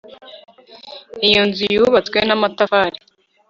iyo nzu yubatswe n'amatafari